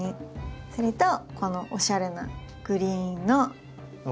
それとこのおしゃれなグリーンの恐竜。